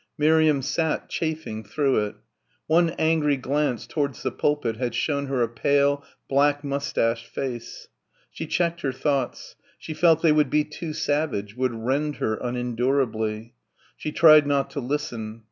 Miriam sat, chafing, through it. One angry glance towards the pulpit had shown her a pale, black moustached face. She checked her thoughts. She felt they would be too savage; would rend her unendurably. She tried not to listen.